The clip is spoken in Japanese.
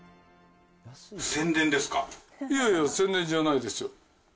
いやいや、宣伝じゃないですよ。